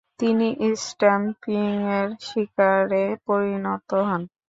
তিনি স্ট্যাম্পিংয়ের শিকারে পরিণত হন।